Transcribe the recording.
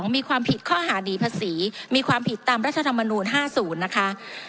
มีความผิดข้อหาดีภาษีมีความผิดตามรัฐธรรมนูล๕๐นะคะ